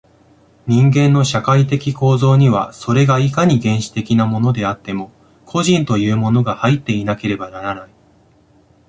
人間の社会的構造には、それがいかに原始的なものであっても、個人というものが入っていなければならない。